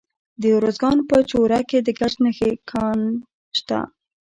د ارزګان په چوره کې د ګچ کان شته.